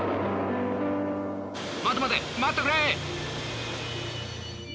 待て待て待ってくれ！